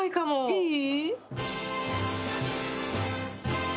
いい？